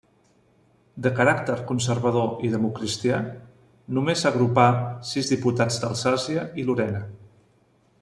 De caràcter conservador i democristià, només agrupà sis diputats d'Alsàcia i Lorena.